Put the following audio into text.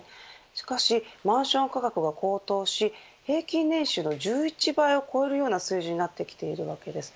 しかし、マンション価格が高騰し平均年収の１１倍を超えるような水準になってきているわけです。